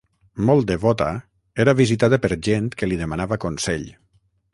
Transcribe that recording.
Molt devota, era visitada per gent que li demanava consell.